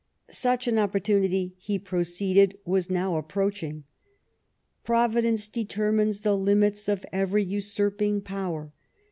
Such an opportunity, he proceeded, was now approaching. " Providence determines the limits of every usurping Power.